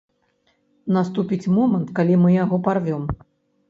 Наступіць момант, калі мы яго парвём.